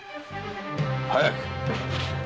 早く！